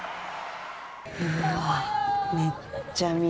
うわめっちゃ雅。